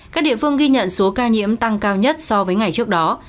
các địa phương ghi nhận số ca nhiễm tăng cao nhất so với ngày trước đó